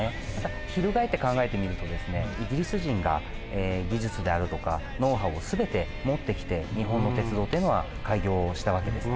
翻って考えてみるとですねイギリス人が技術であるとかノウハウを全て持ってきて日本の鉄道というのは開業した訳です。